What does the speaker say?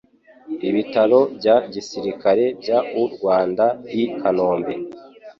ibitaro bya gisirikare by u rwanda i kanombe